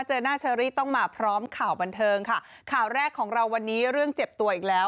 เจอหน้าเชอรี่ต้องมาพร้อมข่าวบันเทิงค่ะข่าวแรกของเราวันนี้เรื่องเจ็บตัวอีกแล้ว